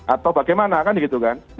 atau bagaimana kan gitu kan